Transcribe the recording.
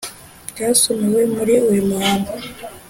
bwasomewe muri uyu muhango